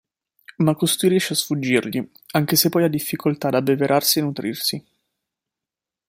Ma costui riesce a sfuggirgli, anche se poi ha difficoltà ad abbeverarsi e nutrirsi.